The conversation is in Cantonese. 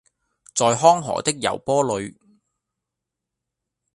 在康河的柔波裡